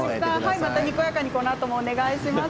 また、にこやかにこのあともお願いします。